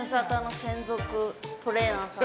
専属トレーナーさん。